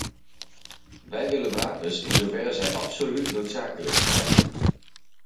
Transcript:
Wij willen wapens in zoverre zij absoluut noodzakelijk zijn.